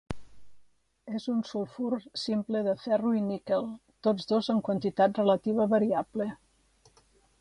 És un sulfur simple de ferro i níquel, tots dos en quantitat relativa variable.